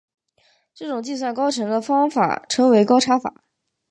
这种计算高程的方法称为高差法。